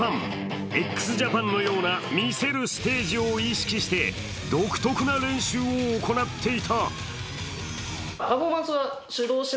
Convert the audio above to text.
ＸＪＡＰＡＮのような魅せるステージを意識して独特な練習を行っていた。